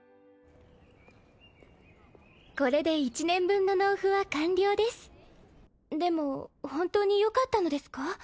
これで１年分の納付は完了ですでも本当によかったのですか？